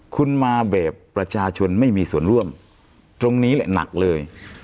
คุณมาแบบประชาชนไม่มีส่วนร่วมตรงนี้แหละหนักเลย